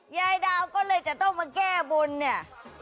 ยายดาวก็เลยจะต้องมาแก้บนเนี่ย